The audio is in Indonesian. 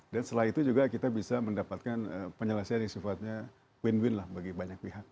dan setelah itu juga kita bisa mendapatkan penyelesaian yang sifatnya win win lah bagi banyak pihak